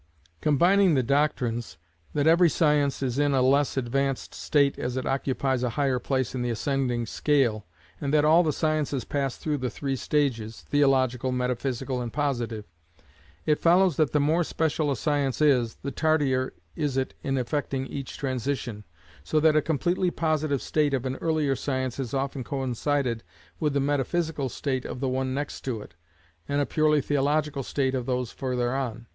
Combining the doctrines, that every science is in a less advanced state as it occupies a higher place in the ascending scale, and that all the sciences pass through the three stages, theological, metaphysical, and positive, it follows that the more special a science is, the tardier is it in effecting each transition, so that a completely positive state of an earlier science has often coincided with the metaphysical state of the one next to it, and a purely theological state of those further on.